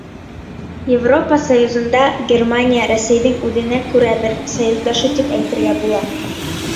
Европа Союзында Германия Рәсәйҙең үҙенә күрә бер союздашы тип әйтергә була.